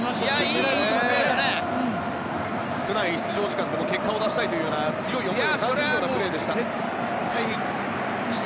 少ない出場時間でも結果を出したいという強い思いを感じるプレーでした。